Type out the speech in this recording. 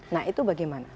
nah itu bagaimana